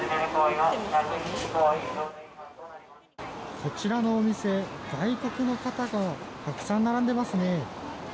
こちらのお店、外国の方がたくさん並んでいますね。